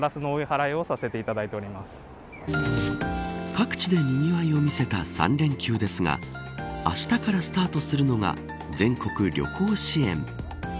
各地でにぎわいを見せた３連休ですがあしたからスタートするのが全国旅行支援。